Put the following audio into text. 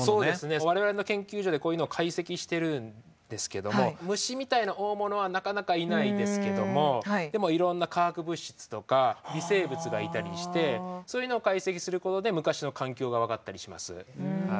我々の研究所でこういうのを解析してるんですけども虫みたいな大物はなかなかいないですけどもでもいろんな化学物質とか微生物がいたりしてそういうのを解析することで昔の環境が分かったりします。